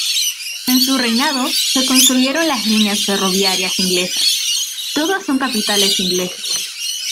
En su reinado, se construyeron las líneas ferroviarias inglesas, todas con capitales ingleses.